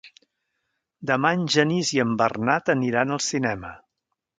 Demà en Genís i en Bernat aniran al cinema.